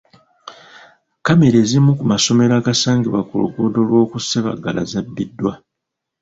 Kkamera ezimu ku masomero agasangibwa ku luguudo lwo ku Ssebaggala zabbiddwa.